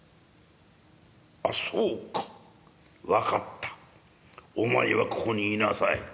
ああそうか分かったお前はここにいなさい。